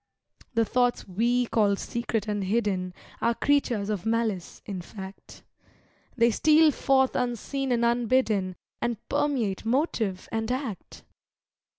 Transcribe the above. The thoughts we call secret and hidden Are creatures of malice, in fact. They steal forth unseen and unbidden, And permeate motive and act.